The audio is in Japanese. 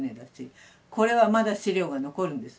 これはまだ資料が残るんです。